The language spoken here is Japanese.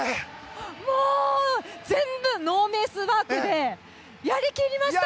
もう全部ノーベースマークでやり切りましたね。